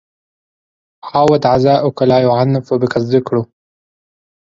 عاود عزاءك لا يعنف بك الذكر